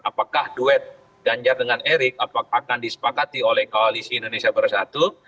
apakah duet ganjar dengan erick apakah akan disepakati oleh koalisi indonesia bersatu